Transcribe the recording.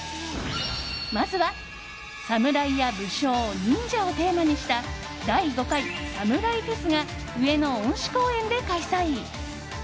まずは侍や武将、忍者をテーマにした第５回ＳＡＭＵＲＡＩフェスが上野恩賜公園で開催。